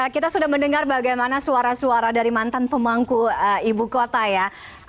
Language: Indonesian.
kita sudah mendengar bagaimana suara suara dari mantan pemangku ibu kota ya